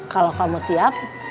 kalau kamu siap